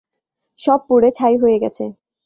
সব পুড়ে ছাই হয়ে গেছে।